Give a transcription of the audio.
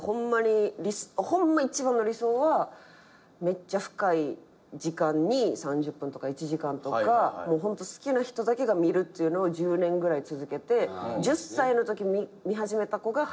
ホンマ一番の理想はめっちゃ深い時間に３０分とか１時間とかホント好きな人だけが見るっていうのを１０年ぐらい続けて１０歳のとき見始めた子が二十歳になる。